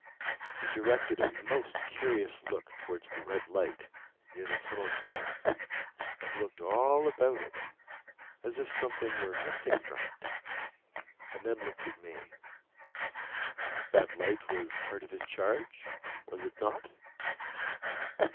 He directed a most curious look towards the red light near the tunnel's mouth, and looked all about it, as if something were missing from it, and then looked at me. That light was part of his charge? Was it not?